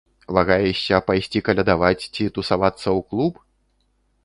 Вагаешся, пайсці калядаваць ці тусавацца ў клуб?